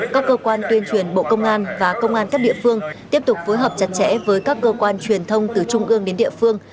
các cơ quan tuyên truyền bộ công an và công an các địa phương tiếp tục phối hợp chặt chẽ với các cơ quan truyền thông từ trung ương đến địa phương